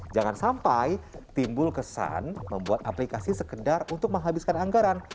jangan sampai timbul kesan membuat aplikasi sekedar untuk menghabiskan anggaran